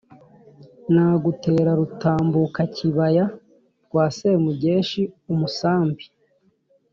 Nagutera Rutambukakibaya rwa Semugeshi-Umusambi.